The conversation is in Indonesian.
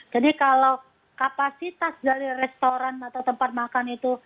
kalau kapasitas dari restoran atau tempat makan itu